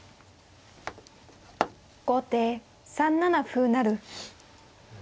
後手３七歩成。